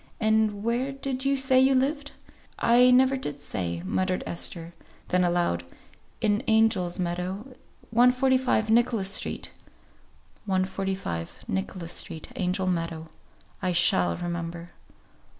"And where did you say you lived?" "I never did say," muttered Esther; then aloud, "In Angel's Meadow, 145, Nicholas Street." "145, Nicholas Street, Angel Meadow. I shall remember."